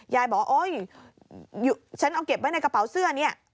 ยายบอกฉันเอาเก็บไว้ในกระเป๋าเสื้อ